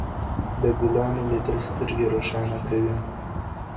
د ګلانو لیدل سترګې روښانه کوي.